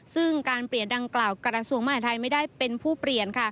ซึ่งการเปลี่ยนดังกล่าวกราศูนย์มหาวิทยาลัยไทยไม่ได้เป็นผู้เปลี่ยน